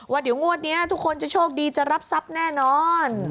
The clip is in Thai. ว่าเดี๋ยวงวดนี้ทุกคนจะโชคดีจะรับทรัพย์แน่นอน